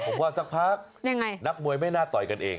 ผมว่าสักพักนักมวยไม่น่าต่อยกันเอง